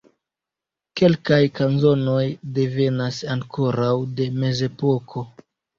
Kelkaj kanzonoj devenas ankoraŭ de mezepoko.